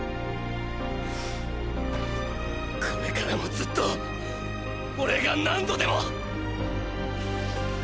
これからもずっとオレが何度でも。